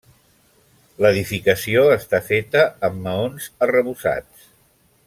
L'edificació està feta amb maons arrebossats.